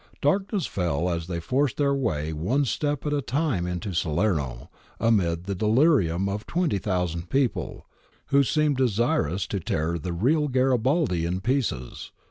Darkness fell as they forced their way one step at a time into Salerno, amid the de lirium of 20,000 people, who seemed desirous to tear the real Garibaldi in pieces.